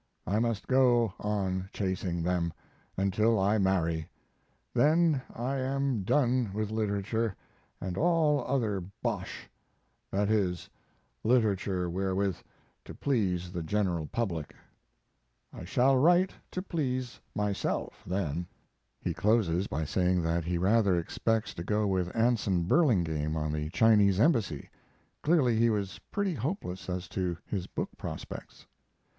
I must go on chasing them, until I marry, then I am done with literature and all other bosh that is, literature wherewith to please the general public. I shall write to please myself then. He closes by saying that he rather expects to go with Anson Burlingame on the Chinese embassy. Clearly he was pretty hopeless as to his book prospects.